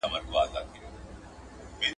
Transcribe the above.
• سل په لالي پوري، دا يو ئې د بنگړو.